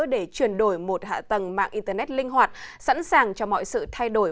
để chuyển đổi một hạ tầng mạng internet linh hoạt sẵn sàng cho mọi sự thay đổi